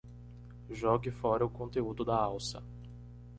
Jogue fora o conteúdo da alça